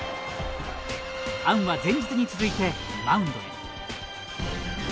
アンは前日に続いてマウンドへ。